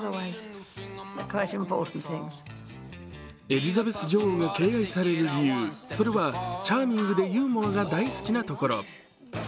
エリザベス女王が敬愛される理由、それはチャーミングでユーモアが大好きなところ。